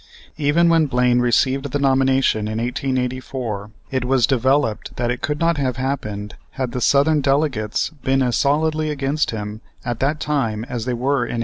Even when Blaine received the nomination in 1884 it was developed that it could not have happened had the Southern delegates been as solidly against him at that time as they were in 1876.